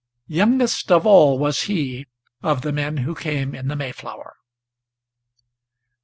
Youngest of all was he of the men who came in the Mayflower.